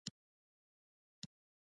آیا دوی ځوانانو ته فرصتونه نه برابروي؟